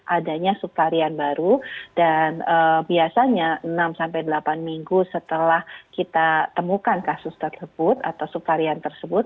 adanya subvarian baru dan biasanya enam sampai delapan minggu setelah kita temukan kasus tersebut atau subvarian tersebut